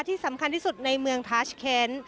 ที่สำคัญที่สุดในเมืองทาชเคน